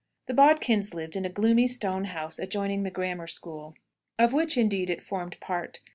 The Bodkins lived in a gloomy stone house adjoining the grammar school, of which, indeed, it formed part.